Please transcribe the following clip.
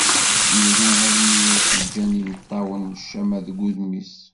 Iru armi i as-ǧǧan yimeṭṭawen ccama deg udem-is.